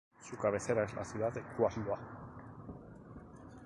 Su cabecera es la ciudad de Cuautla.